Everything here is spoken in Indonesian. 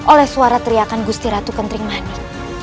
oleh suara teriakan gusti ratu kentring mahni